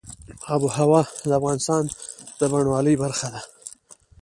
آب وهوا د افغانستان د بڼوالۍ برخه ده.